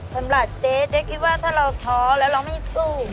เจ๊เจ๊คิดว่าถ้าเราท้อแล้วเราไม่สู้